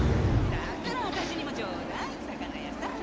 だったらアタシにもちょうだい魚屋さん。